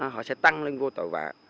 họ sẽ tăng lên vô tội vạ